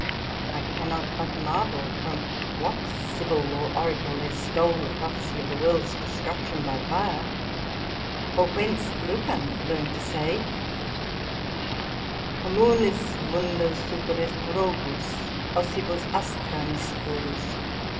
I cannot but marvail from what Sibyl or Oracle they stole the Prophesie of the worlds destruction by fire, or whence Lucan learned to say, Communis mundo superest rogus, assibus astra Misturus.